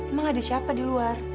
emang ada siapa di luar